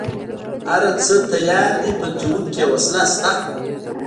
هره څه تيار دي فلجوونکې وسله شته.